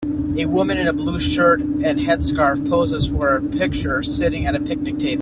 A woman in a blue shirt and headscarf poses for a picture sitting at a picnic table.